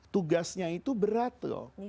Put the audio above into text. tugasnya itu berat loh